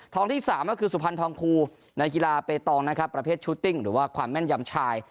ที่๓ก็คือสุพรรณทองคูในกีฬาเปตองนะครับประเภทชูติ้งหรือว่าความแม่นยำชาย